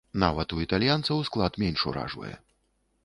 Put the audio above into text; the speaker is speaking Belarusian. Нават у італьянцаў склад менш уражвае.